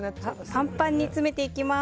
パンパンに詰めていきます。